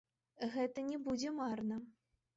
Гэта не будзе марна.